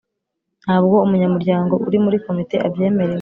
Ntabwo umunyamuryango uri muri Komite abyemerewe